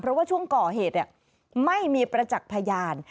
เพราะว่าช่วงก่อเหตุไม่มีประจักษ์พยาน